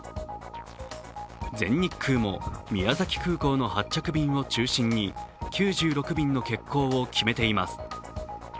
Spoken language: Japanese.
全日空も宮崎空港の発着便を中心に９６便の欠航を決めています。